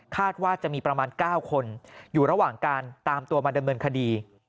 ว่าจะมีประมาณ๙คนอยู่ระหว่างการตามตัวมาดำเนินคดี